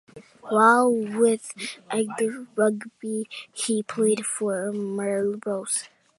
While with Edinburgh Rugby he played for Melrose.